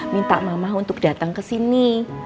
minta mama untuk datang ke sini